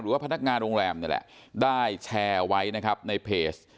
ว่าพนักงานโรงแรมนี่แหละได้แชร์ไว้นะครับในเพจ